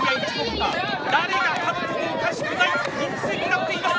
バター誰が勝ってもおかしくない混戦になっています。